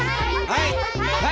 はい。